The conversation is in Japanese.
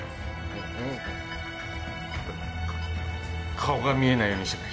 顔が見えないようにしてくれ。